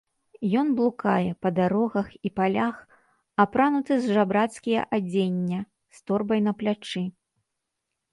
Ён блукае па дарогах і палях, апрануты з жабрацкія адзення, з торбай на плячы.